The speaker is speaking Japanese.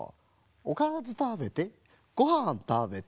「おかずたべてごはんたべて」